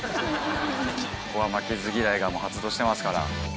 ここは負けず嫌いがもう発動してますから。